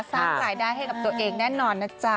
สร้างรายได้ให้กับตัวเองแน่นอนนะจ๊ะ